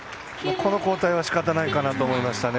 この交代はしかたないかなと思いましたね。